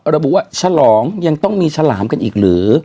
ระบุว่าฉลองยังต้องมีฉลามกันอีกหรือ